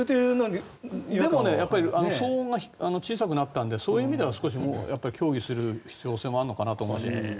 でも騒音が小さくなったのでそういう意味でも協議する必要性はあるのかなと思いましたけどね。